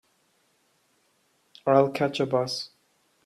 I'll catch a bus.